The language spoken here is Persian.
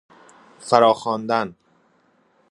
فراخواندن